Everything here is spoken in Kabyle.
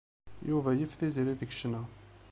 Yuba yif Tiziri deg ccna.